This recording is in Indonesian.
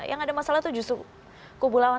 yang ada masalah itu justru kubu lawan